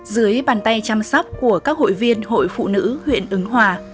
dưới bàn tay chăm sóc của các hội viên hội phụ nữ huyện ứng hòa